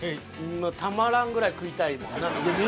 今たまらんぐらい食いたいもんなみんな。